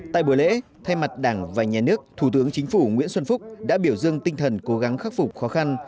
tại buổi lễ thay mặt đảng và nhà nước thủ tướng chính phủ nguyễn xuân phúc đã biểu dương tinh thần cố gắng khắc phục khó khăn